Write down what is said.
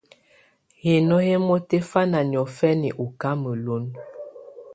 Hinó hɛ́ mɔ́tɛ́fáná niɔ̀fɛna ú kámelun.